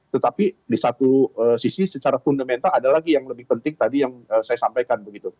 tetapi di satu sisi secara fundamental ada lagi yang lebih penting tadi yang saya sampaikan begitu